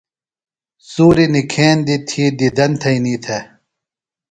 سوریۡ نِکھیندیۡ تھی دیدن تھئینی تھےۡ۔